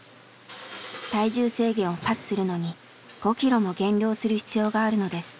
体重制限をパスするのに５キロも減量する必要があるのです。